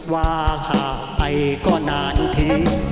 ว่าค่าไปก็นานที